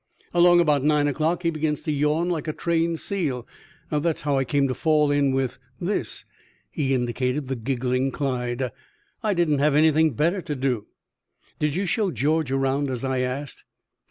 "Along about nine o'clock he begins to yawn like a trained seal. That's how I came to fall in with this." He indicated the giggling Clyde. "I didn't have anything better to do." "Did you show George around, as I asked?"